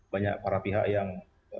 banyak para pihak yang